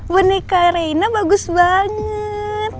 boneka rena bagus banget